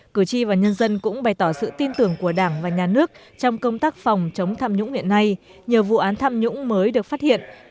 cử tri và nhân dân cũng bày tỏ sự tin tưởng của đảng và nhà nước trong công tác phòng chống tham nhũng hiện nay nhờ vụ án tham nhũng mới được phát hiện